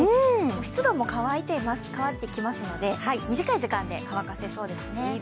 湿度も乾いてきますので、短い時間で乾かせそうですね。